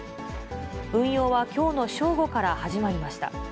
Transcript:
運用はきょうの正午から始まりました。